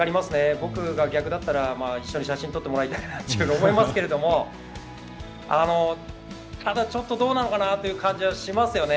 僕が逆だったら一緒に写真撮ってもらいたいなと思いますけどただ、どうなのかなという感じはしますよね。